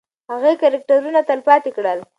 هغې کرکټرونه تلپاتې کړل.